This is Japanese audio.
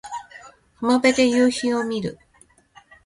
浜辺で夕陽を見る